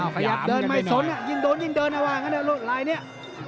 ขยับเดินไม่สนอ่ะยิ่งโดนยิ่งเดินอ่ะว่างันอ่ะลายเนี่ย